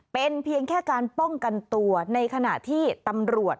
เป็นเพียงแค่การป้องกันตัวในขณะที่ตำรวจ